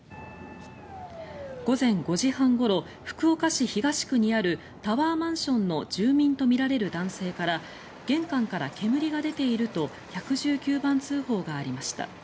午前５時半ごろ福岡市東区にあるタワーマンションの住民とみられる男性から玄関から煙が出ていると１１９番通報がありました。